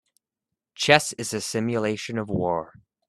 Chess is a simulation of war.